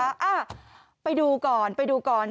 อ่ะไปดูก่อนไปดูก่อน